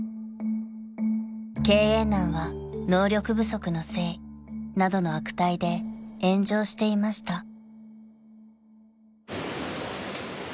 「経営難は能力不足のせい」などの悪態で炎上していました］